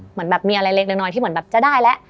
เหมือนแบบมีอะไรเล็กนึงหน่อยที่จะได้แล้ว